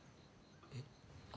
えっ？